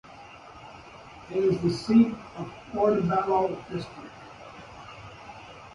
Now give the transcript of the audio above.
It is the seat of Portobelo District.